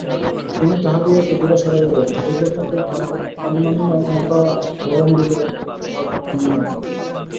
তিনি তাহাদিগকে দূরে সরাইয়া দেন, এই পর্যন্তই তাঁহার অন্যান্য মতাবলম্বীদের বাদখণ্ডন।